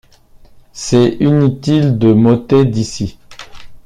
C’est inutile de m’ôter d’ici.